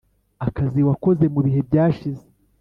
akazi wakoze mu bihe byashize